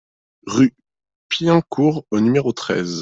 Rue Piencourt au numéro treize